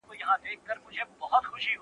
ستا د سترگو په بڼو کي را ايسار دي~